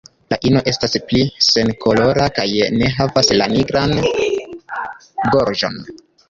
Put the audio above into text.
La ino estas pli senkolora kaj ne havas la nigran gorĝon.